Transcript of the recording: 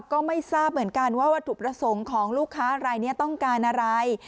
ก็ไม่ทราบเหมือนกันว่าวัตถุประสงค์ของลูกค้ารายนี้ต้องการอะไร